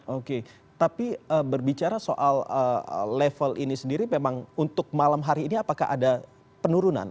oke tapi berbicara soal level ini sendiri memang untuk malam hari ini apakah ada penurunan